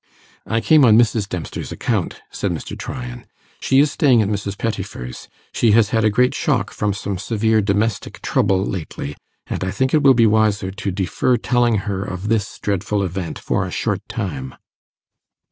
'I came on Mrs. Dempster's account,' said Mr. Tryan. 'She is staying at Mrs. Pettifer's; she has had a great shock from some severe domestic trouble lately, and I think it will be wiser to defer telling her of this dreadful event for a short time.